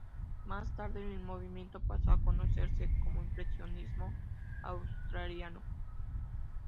Más tarde, el movimiento pasó a conocerse como impresionismo australiano.